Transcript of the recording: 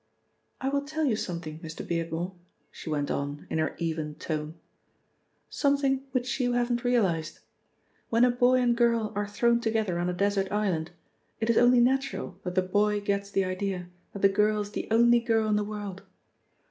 "I will tell you something, Mr. Beardmore," she went on in her even tone. "Something which you haven't realised. When a boy and girl are thrown together on a desert island, it is only natural that the boy gets the idea that the girl is the only girl in the world.